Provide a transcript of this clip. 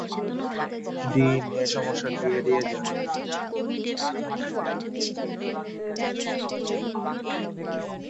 Dean এ সমস্যাটি এড়িয়ে যান।